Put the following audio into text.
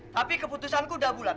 tapi keputusanku udah bulat